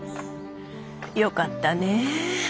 よかったねえ。